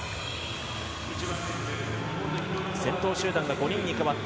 先頭集団が５人に変わった。